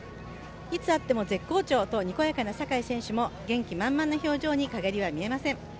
いつ会っても絶好調とにこやかな坂井選手も源気満々な表情に陰りは見えません。